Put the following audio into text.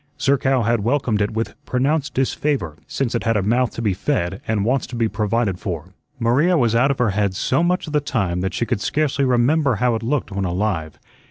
Zerkow had welcomed it with pronounced disfavor, since it had a mouth to be fed and wants to be provided for. Maria was out of her head so much of the time that she could scarcely remember how it looked when alive.